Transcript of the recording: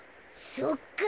そっか。